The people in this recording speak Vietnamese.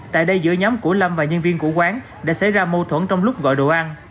tại đây giữa nhóm của lâm và nhân viên của quán đã xảy ra mâu thuẫn trong lúc gọi đồ ăn